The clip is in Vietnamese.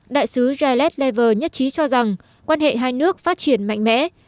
đại sứ gillette lever nhất trí cho rằng quan hệ hai nước phát triển mạnh mẽ